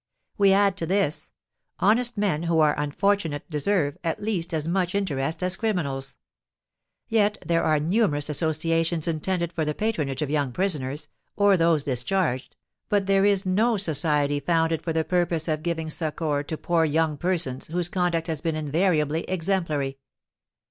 We add to this: Honest men who are unfortunate deserve, at least, as much interest as criminals; yet there are numerous associations intended for the patronage of young prisoners, or those discharged, but there is no society founded for the purpose of giving succour to poor young persons whose conduct has been invariably exemplary.